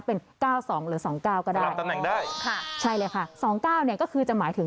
เป็น๙๒หรือ๒๙ก็ได้